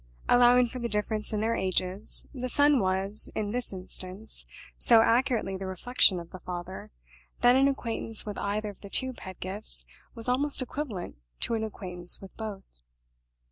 Allowing for the difference in their ages, the son was, in this instance, so accurately the reflection of the father, that an acquaintance with either of the two Pedgifts was almost equivalent to an acquaintance with both.